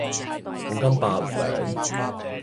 半斤八兩